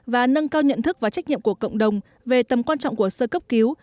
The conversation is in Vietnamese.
và nâng cao nhận thức và trách nhiệm của cộng đồng về tầm quan trọng của sơ cấp cứu